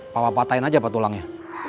papa patahin aja pak tulangnya